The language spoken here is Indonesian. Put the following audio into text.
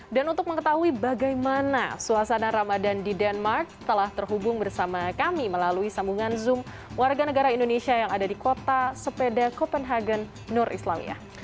dan untuk mengetahui bagaimana suasana ramadan di denmark telah terhubung bersama kami melalui sambungan zoom warga negara indonesia yang ada di kota sepeda copenhagen nur islamia